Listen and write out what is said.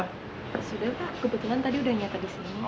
terus sudah pak kebetulan tadi udah nyata di sini